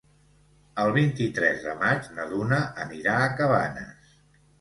El vint-i-tres de maig na Duna anirà a Cabanes.